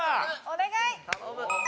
お願い！